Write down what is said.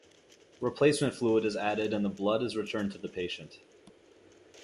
Replacement fluid is added and the blood is returned to the patient.